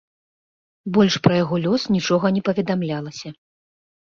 Больш пра яго лёс нічога не паведамлялася.